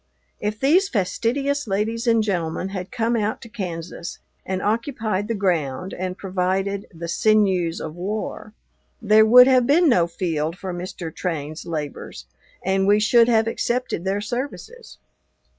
If these fastidious ladies and gentlemen had come out to Kansas and occupied the ground and provided "the sinews of war," there would have been no field for Mr. Train's labors, and we should have accepted their services.